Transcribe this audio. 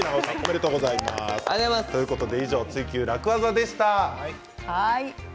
「ツイＱ楽ワザ」でした。